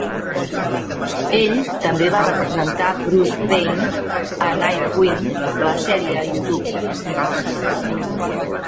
Ell també va representar Bruce Wayne a Nightwing: La sèrie a YouTube.